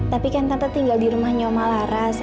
tapi kan tante tinggal di rumahnya oma laras